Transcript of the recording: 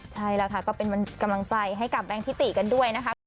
ใช่แล้วค่ะก็เป็นกำลังใจให้กับแบงคิติกันด้วยนะคะ